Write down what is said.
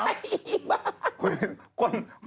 เดี๋ยวก้นคุณก็พังหรอก